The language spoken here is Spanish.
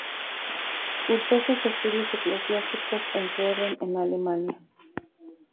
Cursó sus estudios eclesiásticos en su Orden, en Alemania.